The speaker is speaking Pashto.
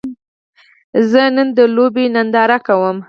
زه نن د لوبې ننداره کوم